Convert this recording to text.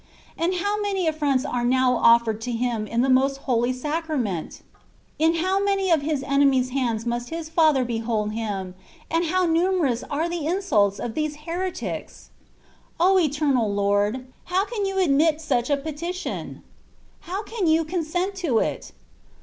And how many affronts are now offered to Him in the Most Holy Sacrament ? In how many of his enemies^ hands must His Father behold Him, and how numerous are the insults of these heretics ! O eternal Lord ! how can you admit such a peti tion ! How can you consent to it